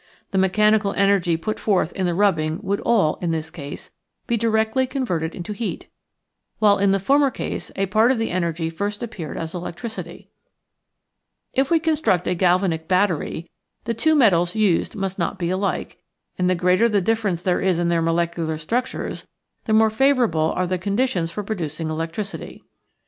The mechanical energy put forth in the rubbing would all, in this case, be directly converted into heat, while in the former case a part of the energy first appeared as electricity If we construct a gal vanic battery, the two metals used must not be alike, and the greater the difference there is Oriyinal from UNIVERSITY OF WISCONSIN Cbe f orcea of nature* 33 in their molecular structures the more favor able are the conditions for producing elec tricity.